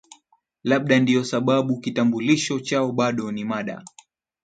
Labda ndio sababu kitambulisho chao bado ni mada